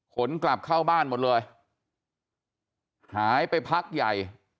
กลับเข้าบ้านหมดเลยหายไปพักใหญ่